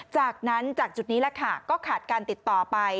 จากนั้นจากจุดนี้แหละค่ะก็ขาดการติดต่อไป